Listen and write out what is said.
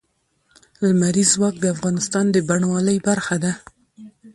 لمریز ځواک د افغانستان د بڼوالۍ برخه ده.